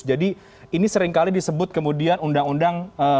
jadi ini seringkali disebut kemudian undang undang sapu jagad ya